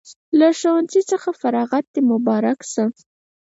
له ښوونځي څخه فراغت د مبارک شه